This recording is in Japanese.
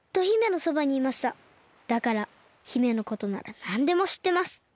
だから姫のことならなんでもしってます。